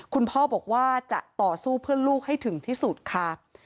คุณพ่อบอกว่าจะต่อสู้เพื่อลูกให้ถึงที่สุดค่ะ